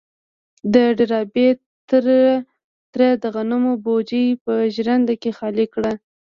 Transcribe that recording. د ډاربي تره د غنمو بوجۍ په ژرنده کې خالي کړه.